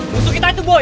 musuh kita itu boy